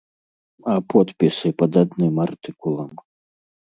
А подпісы пад адным артыкулам?